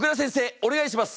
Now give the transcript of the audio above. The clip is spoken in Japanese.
お願いします！